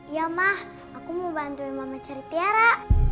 iya ma aku mau bantuin mama cari tiara